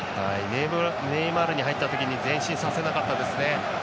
ネイマールに入ったときに前進させなかったですね。